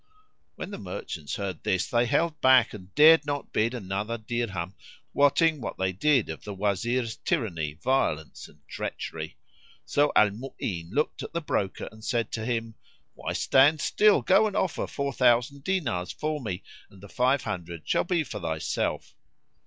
When the merchants heard this, they held back and dared not bid another dirham, wotting what they did of the Wazir's tyranny, violence and treachery. So Al Mu'ín looked at the broker and said to him, "Why stand still? Go and offer four thousand dinars for me and the five hundred shall be for thyself."